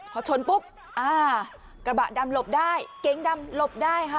พอชนปุ๊บอ่ากระบะดำหลบได้เก๋งดำหลบได้ค่ะ